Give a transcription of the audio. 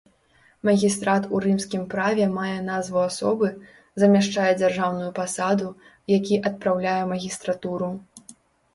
Магістрат у рымскім праве мае назву асобы, замяшчае дзяржаўную пасаду, які адпраўляе магістратуру.